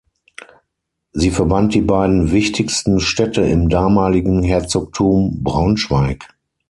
Sie verband die beiden wichtigsten Städte im damaligen Herzogtum Braunschweig.